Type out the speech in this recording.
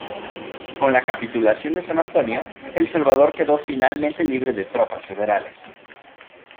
Con la capitulación de San Antonio, El Salvador quedó finalmente libre de tropas federales.